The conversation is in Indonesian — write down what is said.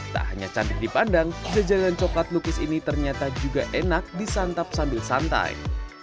tak hanya cantik dipandang jajanan coklat lukis ini ternyata juga enak disantap sambil santai